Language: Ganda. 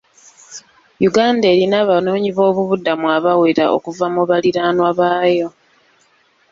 Uganda erina abanoonyiboobubudamu abawera okuva mu baliraanwa baayo.